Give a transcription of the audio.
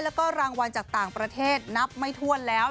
แล้วก็รางวัลจากต่างประเทศนับไม่ถ้วนแล้ว